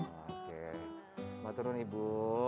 oke maturun ibu